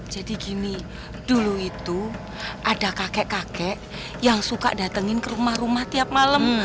jadi gini dulu itu ada kakek kakek yang suka datengin ke rumah rumah tiap malam